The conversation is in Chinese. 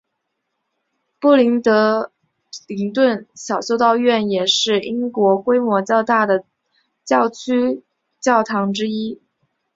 布里德灵顿小修道院也是英国规模较大的教区教堂之一。